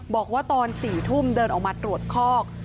บอกว่าตอน๔ทุ่มเดินออกมาตรวจคอก